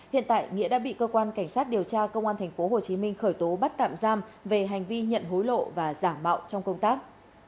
hiện tại nghĩa đã bị cơ quan cảnh sát điều tra công an tp hcm khởi tố bắt tạm giam về hành vi nhận hối lộ và giảm bạo trong công tác